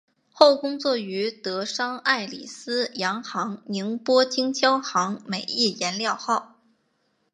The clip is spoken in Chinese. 后工作于德商爱礼司洋行宁波经销行美益颜料号。